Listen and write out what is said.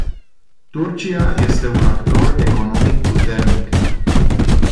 Turcia este un actor economic puternic.